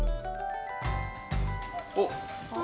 おっ。